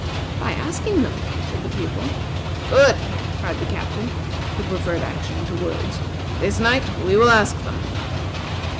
"By asking them," said the Pupil. "Good!" cried the Captain, who preferred action to words. "This night we will ask them."